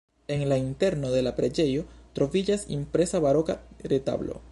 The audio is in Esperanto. En la interno de la preĝejo troviĝas impresa baroka retablo.